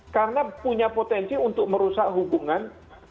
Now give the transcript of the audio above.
karena punya potensi untuk merusak hubungan